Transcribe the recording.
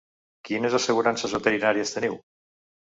Quines assegurances veterinàries teniu?